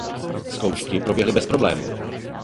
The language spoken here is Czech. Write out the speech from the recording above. Zkoušky proběhly bez problémů.